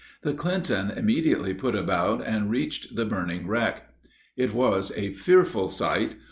The Clinton immediately put about, and reached the burning wreck. It was a fearful sight.